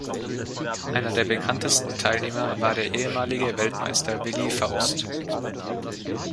Einer der bekanntesten Teilnehmer war der ehemalige Weltmeister Willi Faust.